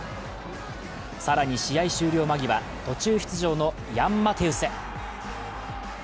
更に試合終了間際、途中出場のヤン・マテウス。